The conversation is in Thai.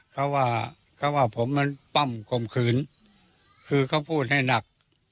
เขาว่าเขาว่าผมมันปั้มข่มขืนคือเขาพูดให้หนัก